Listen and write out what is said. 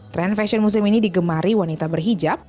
tren fashion muslim ini digemari wanita berhijab